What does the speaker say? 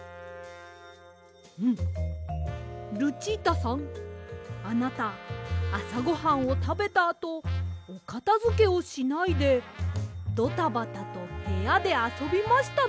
うんルチータさんあなたあさごはんをたべたあとおかたづけをしないでドタバタとへやであそびましたね！